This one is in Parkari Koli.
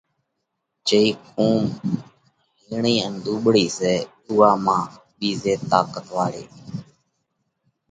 جئِي قُوم ھيڻئي ان ۮُوٻۯئِي سئہ اُوئا مانھ ٻِيزئِي طاقت واۯئِي